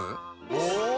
お！